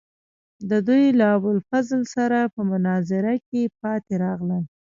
دوی له ابوالفضل سره په مناظره کې پاتې راغلل.